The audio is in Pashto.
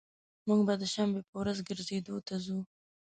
موږ به د شنبي په ورځ ګرځیدو ته ځو